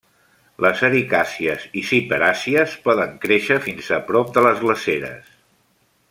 Les ericàcies i ciperàcies poden créixer fins a prop de les glaceres.